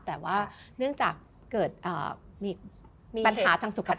แต่ว่าเนื่องจากเกิดมีปัญหาทางสุขภาพ